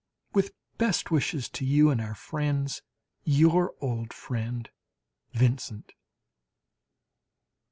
With best wishes to you and our friends. Your old friend VINCENT.